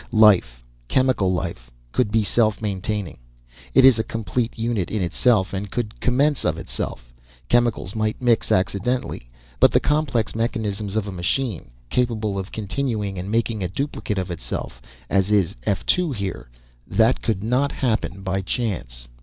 "Life, chemical life, could be self maintaining. It is a complete unit in itself and could commence of itself. Chemicals might mix accidentally, but the complex mechanism of a machine, capable of continuing and making a duplicate of itself, as is F 2 here that could not happen by chance.